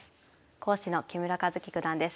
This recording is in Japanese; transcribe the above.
講師の木村一基九段です。